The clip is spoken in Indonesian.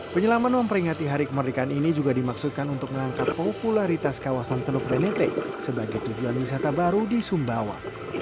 penyelaman memperingati hari kemerdekaan ini juga dimaksudkan untuk mengangkat popularitas kawasan teluk benete sebagai tujuan wisata baru di sumbawa